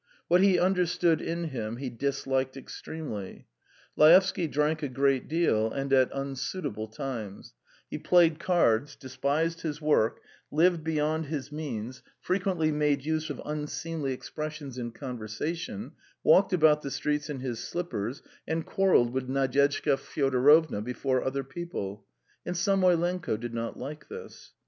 What he understood in him he disliked extremely. Laevsky drank a great deal and at unsuitable times; he played cards, despised his work, lived beyond his means, frequently made use of unseemly expressions in conversation, walked about the streets in his slippers, and quarrelled with Nadyezhda Fyodorovna before other people and Samoylenko did not like this.